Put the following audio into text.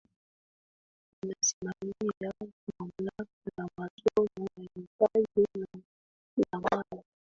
inasimamia mamlaka ya masoko ya mitaji na dhamana